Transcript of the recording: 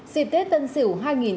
dịp tết tân sửu hai nghìn hai mươi một